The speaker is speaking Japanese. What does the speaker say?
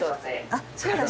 あっそうだね。